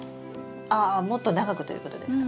ああもっと長くということですか？